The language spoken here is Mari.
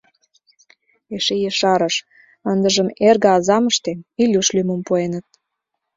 Эше ешарыш: ындыжым эрге азам ыштен, Илюш лӱмым пуэныт.